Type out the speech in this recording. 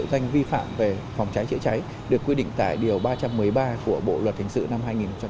danh vi phạm về phòng cháy chữa cháy được quy định tại điều ba trăm một mươi ba của bộ luật hình sự năm hai nghìn một mươi năm